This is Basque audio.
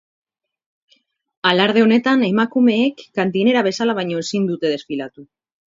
Alarde honetan, emakumeek kantinera bezala baino ezin dute desfilatu.